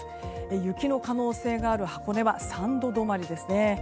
雪の可能性がある箱根は３度止まりですね。